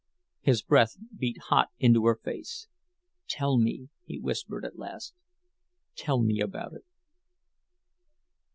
His breath beat hot into her face. "Tell me," he whispered, at last, "tell me about it."